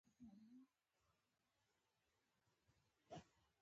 باران د افغانستان د ناحیو ترمنځ تفاوتونه راولي.